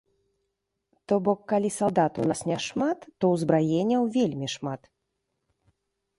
То бок, калі салдат у нас няшмат, то ўзбраенняў вельмі шмат.